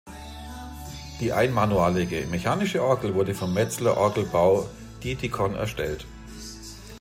Die einmanualige, mechanische Orgel wurde von Metzler Orgelbau, Dietikon erstellt.